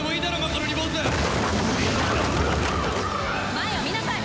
前を見なさい！